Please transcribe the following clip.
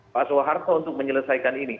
pak soeharto untuk menyelesaikan ini